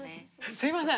すいません。